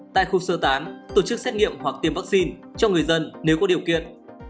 tại khu sơ tán tổ chức xét nghiệm hoặc tiêm vaccine cho người dân nếu có điều kiện